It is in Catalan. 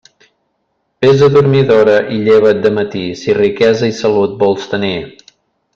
Vés a dormir d'hora i lleva't de matí si riquesa i salut vols tenir.